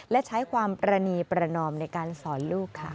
และใช้ความประนีประนอมในการสอนลูกค่ะ